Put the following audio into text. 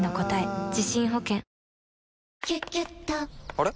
あれ？